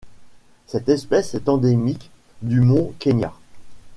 Cette espèce est endémique du Mont Kenya.